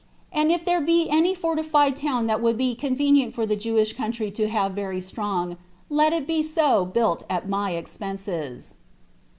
And if there be any fortified town that would be convenient for the Jewish country to have very strong, let it be so built at my expenses."